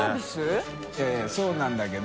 えぇそうなんだけど。